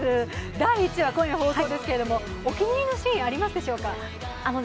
第１話、今夜放送ですが、お気に入りのシーン、ありますでしょうか？